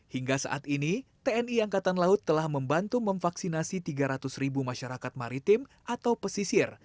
hingga saat ini tni angkatan laut telah membantu memvaksinasi tiga ratus ribu masyarakat maritim atau pesisir